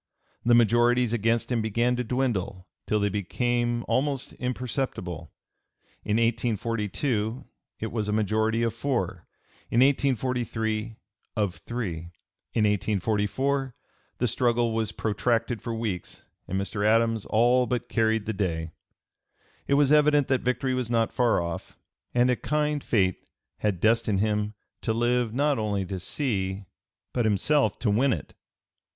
The majorities against him began to dwindle till they became almost imperceptible; in 1842 it was a majority of four; in 1843, of three; in 1844 the struggle was protracted for weeks, and Mr. Adams all but carried the day. It was evident that victory was not far off, and a kind fate (p. 306) had destined him to live not only to see but himself to win it.